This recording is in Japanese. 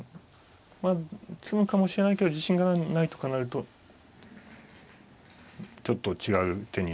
まあ詰むかもしれないけど自信がないとかなるとちょっと違う手になるんでしょうけどね。